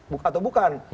bukan atau bukan